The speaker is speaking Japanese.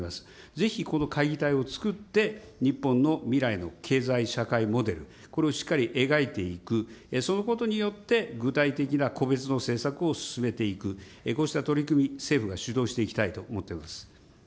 ぜひこの会議体を作って、日本の未来の経済社会モデル、これをしっかり描いていく、そのことによって、具体的な個別の政策を進めていく、こうした取り組み、政府が主導していきたいと思っています。